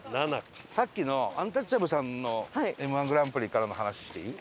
さっきのアンタッチャブルさんのＭ−１グランプリからの話していい？